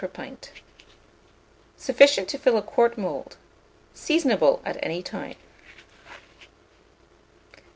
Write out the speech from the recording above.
per pint. Sufficient to fill a quart mould. Seasonable at any time.